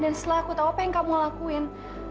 dan setelah aku tau apa yang kamu lakuin